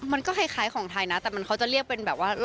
มันก็คล้ายของไทยนะแต่เขาจะเรียกเป็นแบบว่า